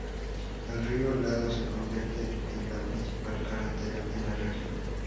El río helado se convierte en la principal carretera en la región.